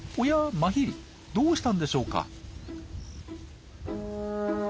マヒリどうしたんでしょうか。